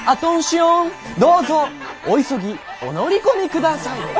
どうぞお急ぎお乗り込みください」。